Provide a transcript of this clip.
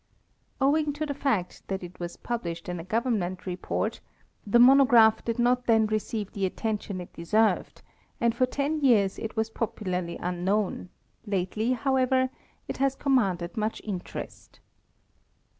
Owing to the fact that it was pub lished in a government report,* the monograph did not then receive the attention it deserved, and for ten years it was popu larly unknown; lately, however, it has commanded much in terest.